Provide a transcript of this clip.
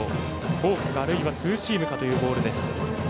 フォークか、あるいはツーシームかというボール。